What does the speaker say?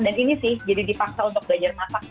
dan ini sih jadi dipaksa untuk belajar masak